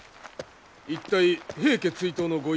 一体平家追討のご院宣